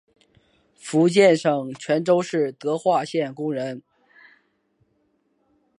福建省泉州市德化县工人。